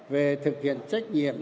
về thực hiện trách nhiệm